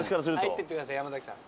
入ってってください山崎さん。